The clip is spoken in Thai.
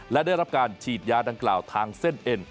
และได้รับการฉีดยาดังกล่าวทางเส้นเอ็น